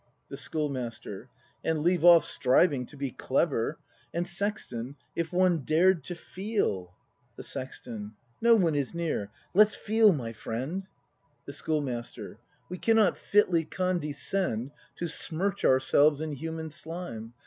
The Schoolmaster. And leave off striving to be clever; And, Sexton, if one dared to feel! The Sexton. No one is near, — let's feel, my friend! ACT V] BRAND 221 The Schoolmaster. We cannot fitly condescend To smirch ourselves in human slime.